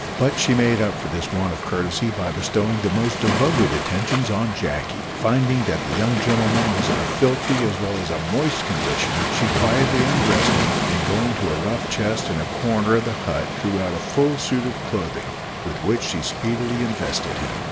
But she made up for this want of courtesy by bestowing the most devoted attentions on Jacky. Finding that that young gentleman was in a filthy as well as a moist condition, she quietly undressed him, and going to a rough chest in a corner of the hut drew out a full suit of clothing, with which she speedily invested him.